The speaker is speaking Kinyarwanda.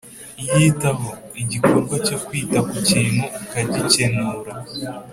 iyitaho: igikorwa cyo kwita ku kintu, ukagikenura.